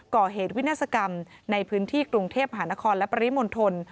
ก่อเหตุวินาศกรรมในพื้นที่กรุงเทพหานครและปริมณฑล